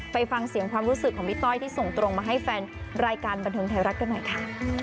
ไปฟังเสียงความรู้สึกของพี่ต้อยที่ส่งตรงมาให้แฟนรายการบันเทิงไทยรัฐกันหน่อยค่ะ